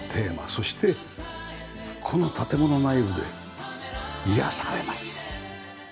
そしてこの建物内部で癒やされます。